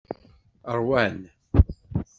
Ṛwan.